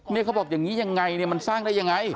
เนี่ยเขาบอกอย่างนี้ยังไงเนี่ยมันสร้างได้ยังไง